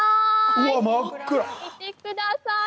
見てください